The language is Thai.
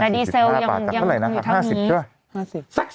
ดีเซลยังต้องอยู่ทั้งนี้